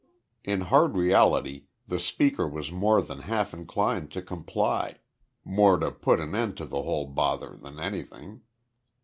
In hard reality the speaker was more than half inclined to comply more to put an end to the whole bother than anything.